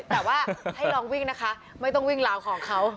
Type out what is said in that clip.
แต่ว่าให้ลองวิ่งนะคะไม่ต้องวิ่งราวของเขา